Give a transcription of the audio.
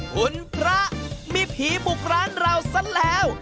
คุณพระมีผีบุกร้านเราซะแล้ว